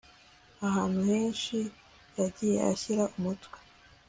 ahantu henshi yagiye ashyira umutwe